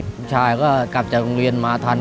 ผู้ชายก็กลับจากโรงเรียนมาทัน